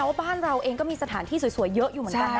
ว่าบ้านเราเองก็มีสถานที่สวยเยอะอยู่เหมือนกันนะ